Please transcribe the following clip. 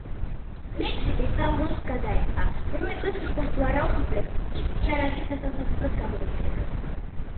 მითრილი საურონს გადაეცა, რომელმაც, როგორც ვარაუდობენ, ის იარაღის დასამზადებლად გამოიყენა.